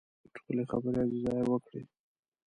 ټولې خبرې حاجي ظاهر وکړې.